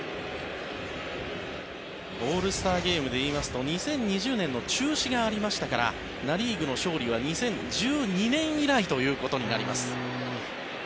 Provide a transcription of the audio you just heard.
オールスターゲームでいいますと２０２０年の中止がありましたからナ・リーグの勝利は２０１２年以来ということになります。